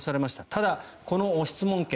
ただ、この質問権